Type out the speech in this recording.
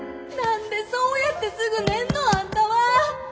何でそうやってすぐ寝んのあんたは！